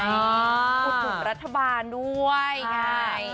กดขุมรัฐบาลด้วย